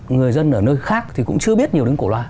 người dân ở nơi khác thì cũng chưa biết nhiều đến cổ loa